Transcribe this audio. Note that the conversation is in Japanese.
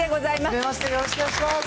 はじめまして、よろしくお願いします。